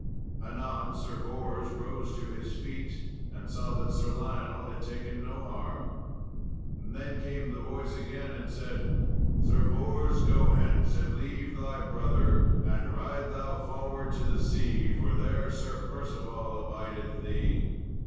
Anon Sir Bors rose to his feet, and saw that Sir Lionel had taken no harm. Then came the voice again, and said, "Sir Bors, go hence and leave thy brother, and ride thou forward to the sea, for there Sir Percival abideth thee."